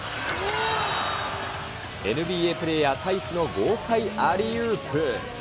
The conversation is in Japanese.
ＮＢＡプレーヤー、タイスの豪快アリウープ。